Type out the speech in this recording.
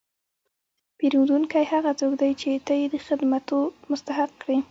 پیرودونکی هغه څوک دی چې ته یې د خدمتو مستحق کړې.